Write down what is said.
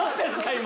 今。